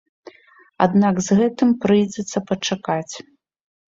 Аднак з гэтым прыйдзецца пачакаць.